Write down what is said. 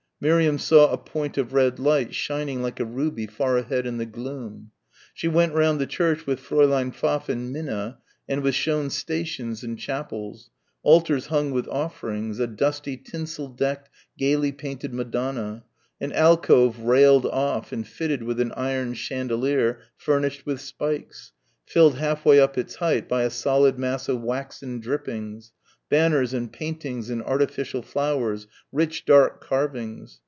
Miriam saw a point of red light shining like a ruby far ahead in the gloom. She went round the church with Fräulein Pfaff and Minna, and was shown stations and chapels, altars hung with offerings, a dusty tinsel decked, gaily painted Madonna, an alcove railed off and fitted with an iron chandelier furnished with spikes filled half way up its height by a solid mass of waxen drippings, banners and paintings and artificial flowers, rich dark carvings.